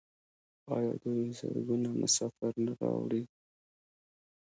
آیا دوی زرګونه مسافر نه راوړي؟